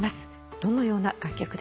どのような楽曲ですか？